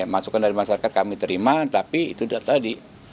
masukan dari masyarakat kami terima tapi itu tadi